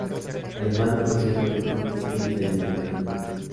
Además de poesías, publicó crítica y ensayos de diverso tipo.